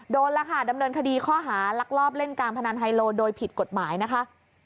โดนแล้วค่ะดำเนินคดีข้อหาลักลอบเล่นการพนันไฮโลโดยผิดกฎหมายนะคะ